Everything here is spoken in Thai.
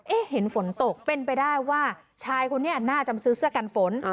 เห็นฝนตกเป็นไปได้ว่าชายคนนี้น่าจะซื้อเสื้อกันฝน